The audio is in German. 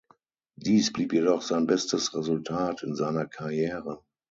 Dies blieb jedoch sein bestes Resultat in seiner Karriere.